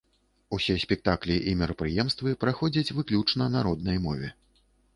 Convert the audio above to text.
Усе спектаклі і мерапрыемствы праходзяць выключна на роднай мове.